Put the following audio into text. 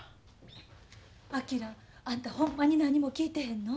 昭あんたほんまに何も聞いてへんの？